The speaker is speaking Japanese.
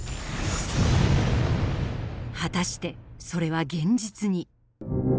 果たしてそれは現実に。